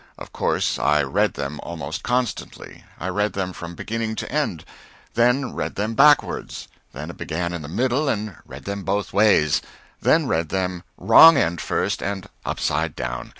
Of course I read them almost constantly; I read them from beginning to end, then read them backwards, then began in the middle and read them both ways, then read them wrong end first and upside down.